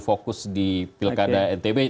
fokus di pilkada ntb